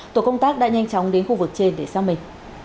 tổ công tác đã nhanh chóng đến khu vực trên để xác minh